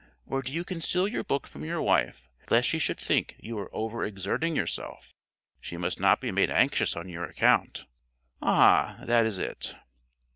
Or do you conceal your book from your wife lest she should think you are over exerting yourself? She must not be made anxious on your account? Ah, that is it.